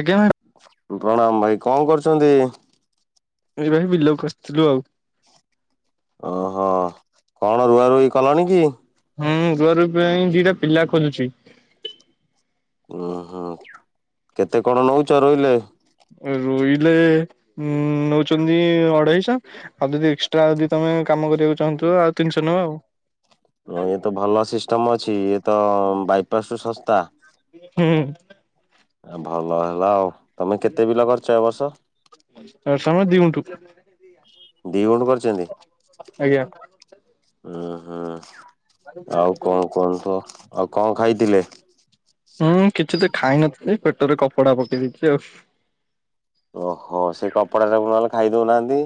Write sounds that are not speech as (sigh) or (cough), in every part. ଆଜ୍ଞା। ପ୍ରଣାମ ଭାଇ କଣ କରୁଛନ୍ତି? ଏବେ ହ ବିଲକୁ ଆସିଥିଲୁ ଆଉ। ଓହୋ କଣ ରୁଆ ରୁଇ କଲଣି କି? ହଁ ରୁଆ ରୁଇ ପାଇଁ ଦିଟା ପିଲା ଖୋଜୁଛି। ଓ ହୋଁ କେତେ କଣ ନଉଛ ରୋଇଲେ ରୋଇଲେ ଉଁ ନଉଛନ୍ତି ଅଢେଇଶହ ଆଉ ଯଦି ଏକ୍ସଟ୍ରା ଯଦି ତମେ କାମ କରିବାକୁ ଚାହୁଁଛୁ ଆଉ ତିନିଶହ ନେବେ ଆଉ। ହ ଇଏ ତ ଭଲ ସିଷ୍ଟମ ଅଛି ଇଏ ତ ବାଇପାସ ଶସ୍ତା। ହୁଁ। ଆ ଭଲ ହେଲା ଆଉ ତମେ କେତେ ବିଲ କରିଛ ଏ ବର୍ଷ? ଏ ସମୟ ଦିଉ (unintelligible) ଦି ଗୁଣଃଧୁ କରିଛନ୍ତି ଆଜ୍ଞା ଉ ହୁଁ। ଆଉ କଣ କୁହନ୍ତୁ ଆଉ କଣ ଖାଇଥିଲେ? ହୁଁ କିଛି ତ ଖାଇ ନଥିଲି ପେଟରେ କପଡା ପକେଇ ଦେଇଛି ଆଉ। ଓହୋ ସେଇ କପଡା ସବୁ ନହେଲେ ଖାଇ ଦଉନାହାଁନ୍ତି।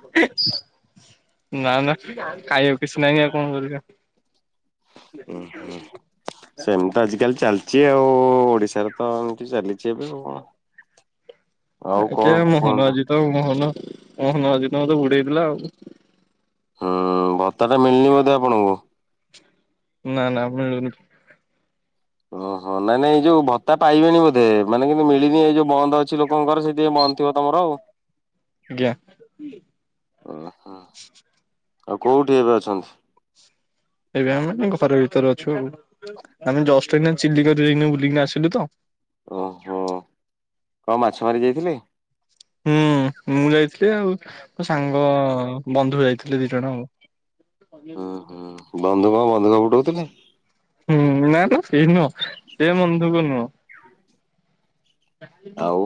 (inaudible) ନା ନା ଖାଇବାକୁ କିଛି ନାହିଁ ଆଉ କଣ କରିବା। ଉଁ ହୁଁ ସେମତି ତ ଆଜିକାଲି ଚାଲଚି ଆଉ ଓଡିଶାରେ ତ ଆଉ ଖାଲି ଚାଲିଚି ଏବେ ଆଉ କଣ? ଆଉ ଆଜ୍ଞା କଣ ମୋହନ କୁହନ୍ତୁ ମାଝୀ ତ ଆଉ ମୋହନ ମୋହନ ମାଝୀ ତ ମତେ ବୁଡେଇଦେଲା ଆଉ। ହୁଁ ଭତ୍ତା ଟା ମିଳିନି ବୋଧେ ଆପଣଙ୍କୁ? ନା ନା ମିଳୁନି। ଓହୋ ନାଇଁ ନାଇଁ ଏଇ ଯୋଉ ଭତ୍ତା ପାଇବେଣି ବୋଧେ ମାନେ କିନ୍ତୁ ମିଳିନି ଏଇ ଯୋଉ ବନ୍ଦ ଅଛି ଲୋକଙ୍କର ସେଥିପାଇଁ ବନ୍ଦ ବନ୍ଦ ଥିବ ତମର ଆଉ। ଆଜ୍ଞା। ଓହୋ ଆଉ କୋଉଠି ଏବେ ଅଛନ୍ତି? ଏବେ ଆମେ ଘର ଭିତରେ ଅଛୁ ଆଉ। ଆମେ ଜଷ୍ଟ୍ ଏଇନା ଚିଲିକାରୁ ଯାଇକିନା ବୁଲିକିନା ଆସିଲୁ ତ। ଓହୋ କଣ ମାଛ ମାରି ଯାଇଥିଲେ? ହୁଁ ମୁଁ ଯାଇଥିଲି ଆଉ ମୋ ସାଙ୍ଗ ବନ୍ଧୁ ଯାଇଥିଲେ ଦି ଜଣ ଆଉ। ହୁଁ ହୁଁ ବନ୍ଧୁ କଣ ବନ୍ଧୁକ ଫୁଟୋଉଥିଲେ। ହୁଁ ନାଇଁ ତ ସେଇ ନୁହଁ ସେ ବନ୍ଧୁକ ନୁହଁ। ଆଉ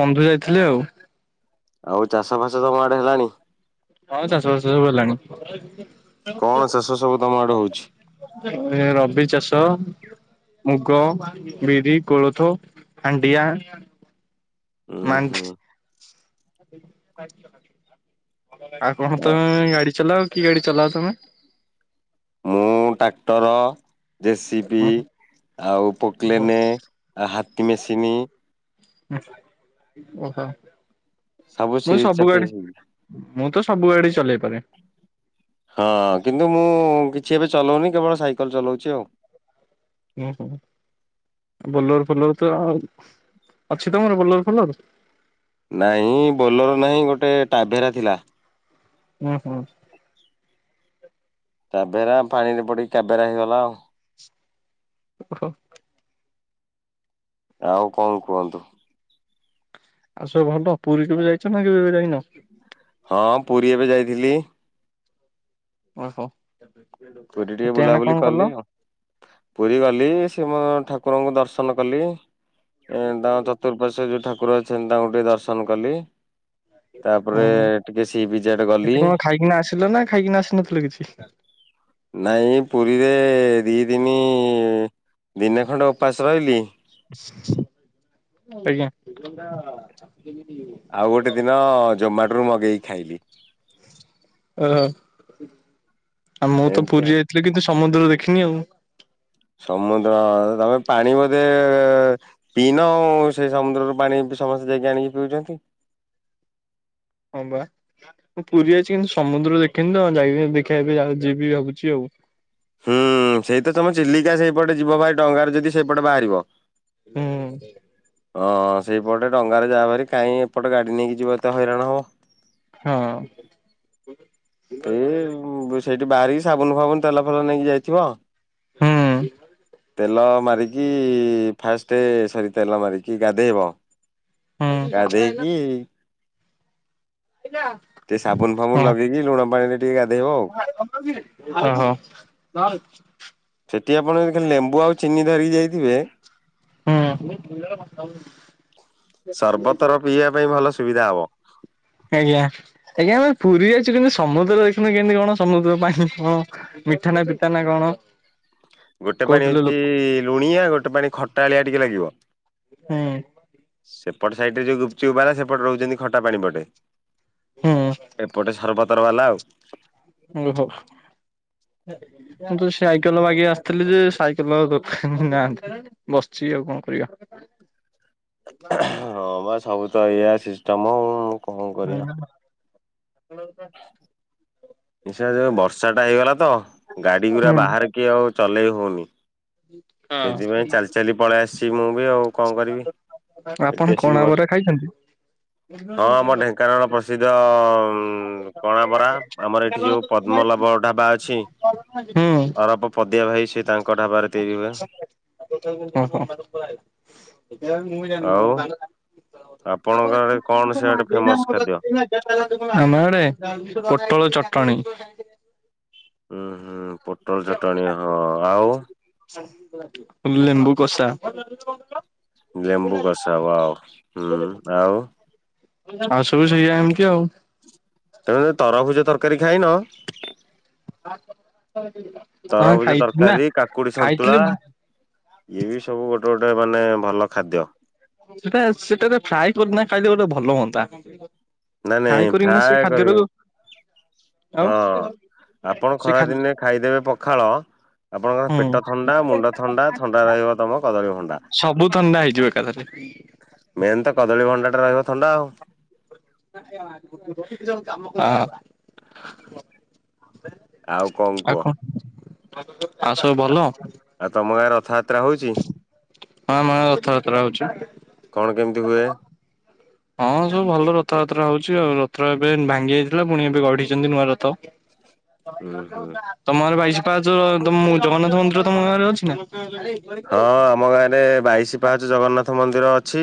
ବନ୍ଧୁ ଯାଇଥିଲି ଆଉ। ଆଉ ଚାଷ ଫାସ ତମ ଆଡେ ହେଲାଣି? ହଁ ଚାଷ ବାସ ସବୁ ହେଲାଣି। କଣ ଚାଷ ସବୁ ତମ ଆଡେ ହଉଛି? ଏୟା ରବି ଚାଷ ମୁଗ, ବିରି, କୋଳଥ, ହାଣ୍ଡିଆ ଉଁ ମାଣ୍ଡି ହୁଁ। ଆଉ କଣ ତମେ ଗାଡି ଚଲାଅ କି ଗାଡି ଚଲାଅ ତମେ? ମୁଁ ଟ୍ରାକ୍ଟର ଜେସିପି, ଆଉ ପକଲେନେ, ଆଉ ହାତୀ ମେସିିନି ଓହୋ। ସବୁ ମୁଁ ସିରି ଗାଡି ଚକେଇ ମୁଁ ତ ସବୁ ଗାଡ଼ି ଚଲେଇ ପାରେ। ହଁ କିନ୍ତୁ ମୁଁ କିଛି ଏବେ ଚଲଉନି କେବଳ ସାଇକେଲ ଚଲଉଚି ଆଉ। ହୁଁ ହୁଁ। ବୋଲର ଫୋଲର ତ ଆଉ ଅଛି ତମର ବୋଲର ଫୋଲର? ନାଇଁ ବୋଲର ନାହିଁ ଗୋଟେ ଟାଭେରା ଥିଲା। ହୁଁ ହୁଁ। ଟାଭେରା ପାଣିରେ ପଡିକି କାବେରା ହେଇଗଲା ଆଉ। ଓହୋ। ଆଉ କଣ କୁହନ୍ତୁ? ଆଉ ସବୁ ଭଲ ପୁରୀ କେବେ ଯାଇଛ ନା କେବେ କେବେ ଯାଇନ? ହଁ ପୁରୀ ଏବେ ଯାଇଥିଲି। ଓହୋ। ପୁରୀ ଟିକେ ସେଠି ଏଇନା ବୁଲାବୁଲି କଣ କଲ କଲି ଆଉ। ପୁରୀ ଗଲି ଶ୍ରୀମ ଠାକୁରଙ୍କୁ ଦର୍ଶନ କଲି ଏ ତାଙ୍କ ଚତୁର୍ପାଶ୍ଵରେ ଯୋଉ ଠାକୁର ଅଛନ୍ତି ତାଙ୍କୁ ଟିକେ ଦର୍ଶନ କଲି। ତାପରେ ଉଁ ଟିକେ ସି ବିଚ୍ ଆଡେ ଗଲି। ସେଠି କଣ ଖାଇକିନା ଆସିଲ ନା ଖାଇକିନା ଆସିନଥିଲ କିଛି? ନାଇଁ ପୁରୀରେ ଦି ଦିନି ଦିନେ ଖଣ୍ଡେ ଉପାସ ରହିଲି ଆଜ୍ଞା। ଆଉ ଗୋଟେ ଦିନ ଜୋମାଟୋରୁ ମଗେଇକି ଖାଇଲି। ଓହୋ ଆଉ ମୁଁ ତ ଏମିତି ଆଉ। ପୁରୀ ଯାଇଥିଲି କିନ୍ତୁ ସମୁଦ୍ର ଦେଖିନି ଆଉ। ସମୁଦ୍ର ତମେ ପାଣି ବୋଧେ ପିଇନ ଆଉ ସେଇ ସମୁଦ୍ରରୁ ପାଣି ସମସ୍ତେ ଯାଇକି ଆଣିକି ପିଉଛନ୍ତି ହଁ ବା ମୁଁ ପୁରୀ ଯାଇଛି କିନ୍ତୁ ସମୁଦ୍ର ଦେଖିନି ତ ଯାଇି ଦେଖିବା ଏବେ ଯାଉ ଯିବି ଭାବୁଚି ଆଉ। ହୁଁ ସେଇ ତ ତମ ଚିଲିକା ସେଇପଟେ ଯିବ ଭାଇ ଡଙ୍ଗାରେ ଯଦି ସେଇପଟେ ବାହାରିବ। ହୁଁ ହଁ ସେଇପଟେ ଡଙ୍ଗାରେ ଯାଓ ହେରି କାହିଁ ଏପଟେ ଗାଡ଼ି ନେଇକି ଯିବ ଏତେ ହଇରାଣ ହେବ। ହଁ। ଏ ସେଇଠି ବାହାରିକି ସାବୁନ ଫାବୁନ ତେଲ ଫେଲ ନେଇକି ଯାଇଥିବ। ହୁଁ। ତେଲ ମାରିକି ଫାଷ୍ଟ ସରି ତେଲ ମାରିକି ଗାଧୋଇ ବ। ହୁଁ ଗାଧେଇକି ହେଲା ଟିକେ ସାବୁନ ଫାବୁନ ହଁ ଲଗେଇକି ଲୁଣ ପାଣିରେ ଟିକେ ଗାଧେଇବ ଆଉ। ଓ ହୋ। ଠି ଆପଣ ଯଦେ ଲେମ୍ବୁ ଆଉ ଚିନି ଧରିକି ଯାଇଥିବେ ହୁଁ। ସର୍ବତର ପିଇବା ପାଇଁ ଭଲ ସୁବିଧା ହବ। ଆଜ୍ଞା ଆଜ୍ଞା ଆମେ ପୁରୀ ଯାଇଛୁ କେମତି ସମୁଦ୍ର ଦେଖୁିନୁ କେମିତି କଣ ସମୁଦ୍ର ପାଣି କଣ? ମିଠାନା ପିତା ନା କଣ? ଗୋଟେ ପାଣି କହୁଥିଲେ ହଉଛି ଲୋକ ଲୁଣିଆ ଗୋଟେ ପାଣି ଖଟା ଆଳିଆ ଟିକେ ଲାଗିବ। ହୁଁ। ସେପଟେ ସାଇଟିରେ ଯୋଉ ଗୁପଚୁପ୍ ବାଲା ସେପଟେ ରହୁଛନ୍ତି ଖଟା ପାଣି ପଟେ। ହୁଁ ଏପଟେ ସରବତ ଉପର ବାଲା ଆଉ। ଓହୋ (unintelligible) ମୁଁ ତ ସାଇକେଲ ମଗି ଆସିଥିଲି ଯେ ସାଇକେଲ ଦୋକାନ ନାହାନ୍ତି ବସିଛି। ପି ଆଉ କଣ କରିବା। ହଁ ବା ସବୁ ତ ଏଇଆ ସିଷ୍ଟମ ଆଉ। କଣ କରିବା। ହଁ (unintelligible) ନିଶା ଯୋଉ ବର୍ଷାଟା ହେଇଗଲା ତ ଗାଡିଗୁଡ଼ା ବାହାରିକି ଆଉ ଚଲେଇ ହଉନି। ହୁଁ ସେଇଥିପାଇଁ ଚାଲି ଚାଲି ପଳେଇ ଆସିଛି ମୁଁ ବି ଆଉ କଣ କରିବି ଏ ଆପଣ ଦେଶିକି କଣା ବସ ବରା ଖାଇଛନ୍ତି? ହଁ ଆମ ଢେଙ୍କାନାଳ ପ୍ରସିଦ୍ଧ କଣ ବରା ଆମର ଏଠି ଯୋଉ ପଦ୍ମ ମଲବ ଢାବା ଅଛି ହୁଁ। ଅରବ ପଦଆ ଭାଇ ସେ ତାଙ୍କ ଢାବାରେ ତିଆରି ହୁଏ। ଆ ଟୋ (unintelligible) ଏଇ ମୁଁ ଜାଣିନି ଶାଙ୍ଗ ଟା ଆପ ଆମ ଆଡେ ପୋଟଳ ଚ ଟଣି ହୁଁ ହୁଁ ପୋଟଳ ଚଟଣି ହଁ ଆଉ? ଲେମ୍ବୁ କଷା ଲେମ୍ବୁ ଗଶା ହବ ଆଉ ହୁଁ ଆଉ ଆଉ ସବୁ ସେଇଆା ଏମିତି ଆଉ। ତମେ ତରଭୁଜ ତରକାରୀ ଖାଇନ? ଆ ତରଭୁଜ ତରକାରୀ କାକୁଡି ସନ୍ତୁଳା ଖାଇଥିଲି ଇଏ ବି ସବୁ ଗୋଟେ ଗୋଟେ ମାନେ ଭଲ ଖାଦ୍ୟ। ସେଟା ସେଟ ଫ୍ରାଏ କରି ଖାଇଲେ ଗୋଟେ ଭଲ ହୁଅନ୍ତା। ନାଇଁ ଖାଇ ନାଇଁ ପ୍ରା କରିକିନା ସେଇ କରିବି ଖାଦ୍ୟଟାକୁ ଆଉ ହଁ ଆପଣ ସେ ଖା ଖରାଦିନେ ଖାଇଦେବେ ପଖାଳ ଆପଣଙ୍କର ହୁଁ ପେଟ ଥଣ୍ଡା ମୁଣ୍ଡ ଥଣ୍ଡା ଥଣ୍ଡା ରହିବ ତମ କଦଳୀ ଭଣ୍ଡା। ସବୁ ଥଣ୍ଡା ହେଇଯିବ ଏକାଥରେ। ମେନ୍ ତ କଦଳୀ ଭଣ୍ଡା ଟା ରହିବ ଥଣ୍ଡା ଆଉ। (unintelligible) କାମ (inaudible) ଆଉ କଣ କୁହ? ଆଉ ସବୁ ଭଲ? ଆଉ ତମ ଗାଁ ରଥଯାତ୍ରା ହେଉଛି। ହଁ ମ ରଥଯାତ୍ରା ହଉଛି। କଣ କେମିତି ହୁଏ? ହଁ ସବୁ ଭଲ ରଥଯାତ୍ରା ହଉଛି ଆଉ ରଥ ଏବେ ଭାଙ୍ଗି ଯାଇଥିଲା ପୁଣି ଏବେ ଗଢିଛନ୍ତି ନୂଆ ରଥ। ଉୁଁ ହୁଁ ତମର ପାଇା ପାହାଚ ଜଗନ୍ନାଥ ମନ୍ଦିର ତମ ଗାଁରେ ଅଛି ନା। ହଁ ଆମ ଗାଁରେ ବାଇଶି ପାହାଚ ଜଗନ୍ନାଥ ମନ୍ଦିର ଅଛି।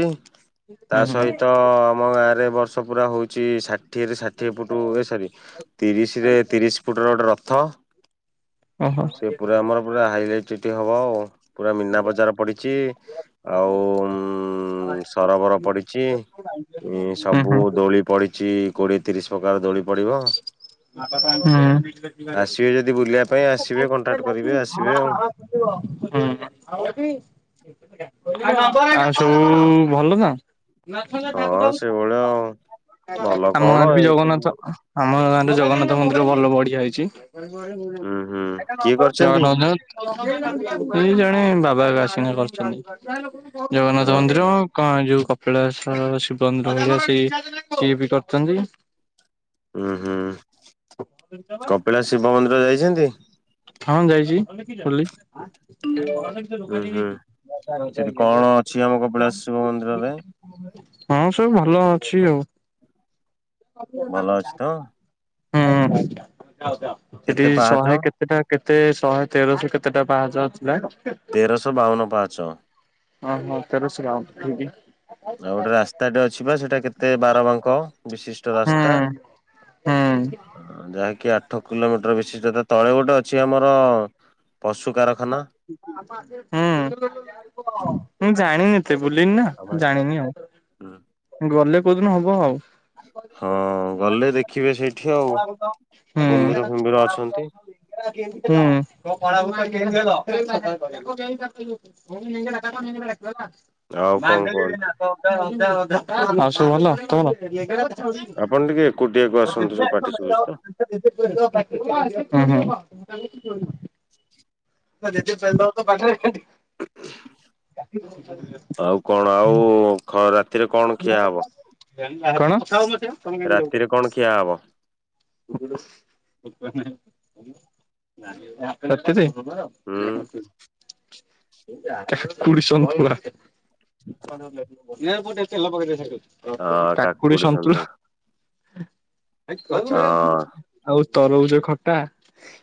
ତା ହୁଁ ସହିତ ଆମ ଗାଁ ରେ ବର୍ଷ ପୁରା ହଉଛି ଷାଠି ଷାଠିଏରେ ଷାଠିଏ ଫୁଟ ଏ ସରି ତିରିଶିରେ ତିରିଶ ଫୁଟର ଗୋଟେ ରଥ। ଓହୋ ହୁଁ ସେ ପୁରା ଆମର ପୁରା ହାଇଲାଇଟିଟି ହବ ଆଉ। ପୁରା ମୀନା ବଜାର ପଡ଼ିଛି ଆଉ ଉମ୍ ସରୋବର ପଡ଼ିଚି। ଉମ୍ ହୁଁ ସବୁ ହୁଁ ଦୋଳି ପଡିଛି କୋଡିଏ ତିରିଶ ପ୍ରକାର ଦୋଳି ପଡିବ। ଁ (inaudible) ଆସିବେ ଯଦି ବୁଲିବା। ପାଇଁ ହ (inaudible) ଆସିବେ କଣ୍ଟାକ୍ଟ କରିବେ ଆସିବେ ଆଉ। ଆଉ ସବୁ ଭଲ ତ? ହଁ ସେଇଭଳିଆ ଆଉ ଭଲ ଆମ କଣ ଗାଁ ରେ ବି ଏଇତ ଜଗନ୍ନାଥ ଜୀବନ। ଆମ ଗାଁରେ ଜଗନ୍ନାଥ ମନ୍ଦିର ଭଲ ବଢ଼ିଆ ହୋଇଛି। ଉୁଁ ହୁଁ କିଏ ଜଗ କରିଛନ୍ତି? ଜଣେ (unintelligible) ବାପ ସିନା କରିଛନ୍ତି ଜଗନ୍ନାଥ ଓହୋ। ମନ୍ଦିର କ ଯୋଉ (unintelligible) ପଳା ଶିବନ୍ଦ ରହ ସେ ସିଏ ବି କରିନ୍ତି। ହୁଁ ହୁଁ କପିଳା ଶିବ ମନ୍ଦିର ଯାଇଛନ୍ତି? ହଁ ଯାଇଛି ବୁଲି। (inaudible) ଉୁଁ ହୁଁ। ସେଠି କଣ ଅଛି ଆମ କପିଳାସ ଶିବ ମନ୍ଦିରରେ ହଁ ସବୁ ଭଲ ଅଛି ଆଉ। ଭଲ ଅଛି ତ? ହୁଁ ସେଠି କେତେ ପାହାଚ? ଶହେ କେତେ ଏଟା କେତେ ଶହେ ତେରଶହ କେତେଟା ପାହାଚ ଥିଲା। ତେରଶହ ବାଉନ ପାହଚ। ହଁ ହଁ ତେରଶହବାଉନଠୁ ବି ଆଉ ଗୋଟେ ରାସ୍ତାଟେ ଅଛି ବା ସେଇଟା କେତେ ବାର ବାଙ୍କ। ବିଶିଷ୍ଟ ହୁଁ ହୁଁ ରାସ୍ତା ହୁଁ। ଯାହାକି କି ଆଠ କିଲୋମିଟର ବେଶି ଯଥା ତଳେ ଗୋଟେ ଅଛି ଆମର ପଶୁ କାର ହୁଁ ମୁଁ ଜାଣିନି। ଏତେ ବୁଲିନି ନା ଜାଣିନି ଆଉ ଗଲେ କୋଉଦିନ ହବ ଆଉ। ହଁ ଗଲେ ଦେଖି (inaudible) ଉମ୍ (inaudible) (inaudible) (inaudible) ଫୁମ୍ଭୀର ଅଛନ୍ତି। ଆଉ କଣ କୁହନ୍ତୁ ଆଉ ସବୁ ଭଲ (inaudible) ଆପଣ ଟିକେ ଏକୁଟିଆକୁ ଆସୁ (inaudible) (inaudible) (inaudible) (unintelligible) ଆଉ କଣ ଆଉ ଖ ରାତିରେ କଣ ଖିଆ ହବ? ରାତିରେ ଖିଆ ହବ? କଣ। ରାତିରେ। (unintelligible) ହୁଁ କାକୁଡି ସନ୍ତୁଳା। କାକୁଡି ସନ୍ତୁଳା। ହଁ ଆଉ ତରଭୁଜ ଖଟା।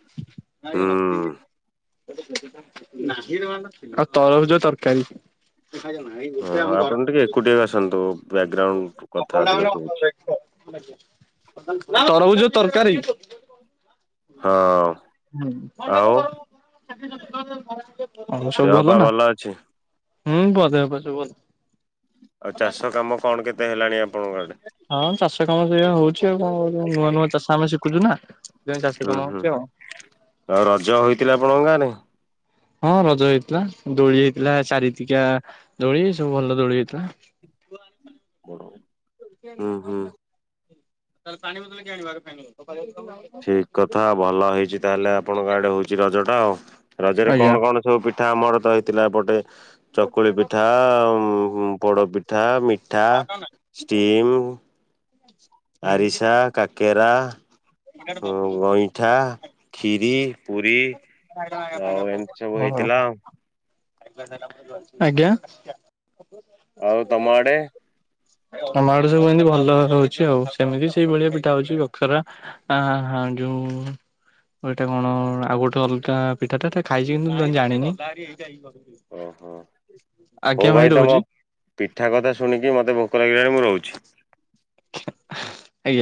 (unintelligible) ହୁଁ। ଆଉ ତରଭୁଜ ତରକାରୀ। ଓହୋ ଆପଣ ଟିକେ ଏକୁଟିଆ ଆସନ୍ତୁ ବ୍ୟାକଗ୍ରାଉଣ୍ଡ କଥା ଅଧିକ ଶୁଭୁଛି। (unintelligible) ତରଭୁଜ ତରକାରୀ। ହଁ। ଆଉ (unintelligible) ହଁ ସବୁ ଭଲ ନା। ଚୁ। ହୁଁ ବ ଦେହ ପା ସବୁ ଭଲ। ଆଉ ଚାଷ କାମ କଣ କେତେ ହେଲାଣି ଆପଣଙ୍କର। ହଁ ଚାଷ କାମ ସେଇଆ ହଉଛି ଆଉ କଣ କରିବା ନୂଆ ନୂଆ ଚାଷ ଆମେ ଶିଖୁଛୁ ନା। ସେଥିପାଇଁ ଚାଷ ହୁଁ କାମ ହୁଁ ହଉଛି ଆଉ। ଆଉ ରଜ ହୋଇଥିଲା ଆପଣଙ୍କ ଗାଁରେ। ହଁ ରଜ ହେଇଥିଲା ଦୋଳି ହେଇଥିଲା ଚାରି ତିିକିଆ ଦୋଳି ସବୁ ଭଲ ଦୋଳି ହେଇଥିଲା। ବ ହୁଁ ହୁଁ (unintelligible) ଠିକ କଥା ଭଲ ହେଇଛି ତାହେଲେ ଆପଣଙ୍କ ଆଡେ ହୋଇଛି ରଜ ଟା ଆଉ ରଜ ରେ ଆଜ୍ଞା। କଣ କଣ ସବୁ ପିଠା ପିଠା ଆମର ତ ହେଇଥିଲା ଏପଟେ। ଚକୁଳି ପିଠା ପୋଡ ପିଠା ମିଠା। ସ୍ଟିମ୍। ଆରିସା କାକେରା ହୁଁ ଗଇଁଠା। ଖୀରି ପୁରୀ। ଆଉ ଏମିତି ସବୁ ହୁଁ ହେଇଥିଲା ଆଉ ଆଜ୍ଞା। ଆଉ ତମ ଆଡେ। ଆମ ଆଡ଼େ ସବୁ ଏମତି ଭଲ ରେ ହୋଇଛି ଆଉ ସେମିତି ସେଇ ଭଳିଆ ପିଠା ହୋଉଛି କାକେରା ଆଁ। ଆଁ ଯୋଉ ଏଇଟା କଣ ଆଉ ଗୋଟେ ଅଲ ଗା ପିଠା ଟା ଖାଇଛି କିନ୍ତୁ ଜାଣିନି। ଓହୋ ଆଜ୍ଞା ହଉ ଭାଇ ତମ ରହୁଛି ପିଠା କଥା ଶୁଣିକି ମତେ ଭୋକ ଲାଗିଲାଣି। ମୁଁ ରହୁଛି। ଆଜ୍ଞା।